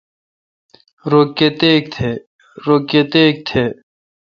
رو کتیک تہ۔